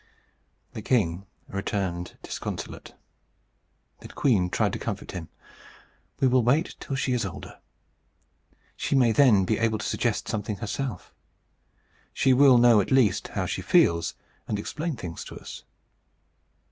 The king returned disconsolate. The queen tried to comfort him. "We will wait till she is older. She may then be able to suggest something herself. She will know at least how she feels, and explain things to us."